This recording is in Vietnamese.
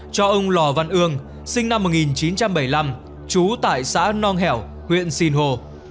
cho ông lò văn ương sinh năm một nghìn chín trăm bảy mươi năm trú tại xã nong hẻo huyện sinh hồ